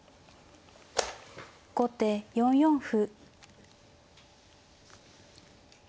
後手４四歩。